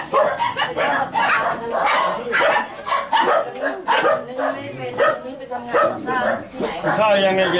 โดนทะโภทะโภตรงไหนคะ